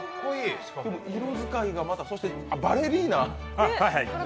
色使いが、またバレリーナ？